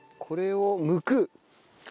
これをむく。